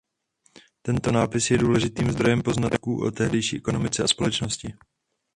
Tento nápis je důležitým zdrojem poznatků o tehdejší ekonomice a společnosti.